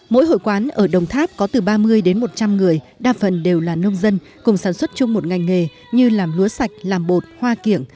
mỗi hội quán ở đồng tháp có từ ba mươi đến một trăm linh người đa phần đều là nông dân cùng sản xuất chung một ngành nghề như làm lúa sạch làm bột hoa kiểng